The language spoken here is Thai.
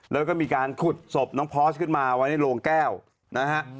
แล้วก็มีการขุดศพน้องพอสขึ้นมาไว้ในโรงแก้วนะฮะ